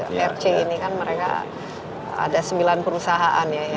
rc ini kan mereka ada sembilan perusahaan ya